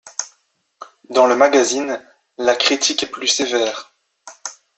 Dans le magazine ', la critique est plus sévère.